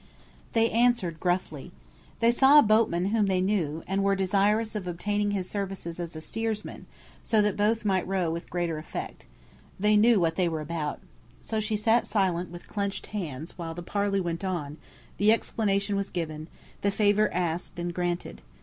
They answered gruffly. They saw a boatman whom they knew, and were desirous of obtaining his services as steersman, so that both might row with greater effect. They knew what they were about. So she sat silent with clenched hands while the parley went on, the explanation was given, the favour asked and granted.